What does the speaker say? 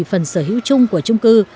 phần sở hữu chung của chung cư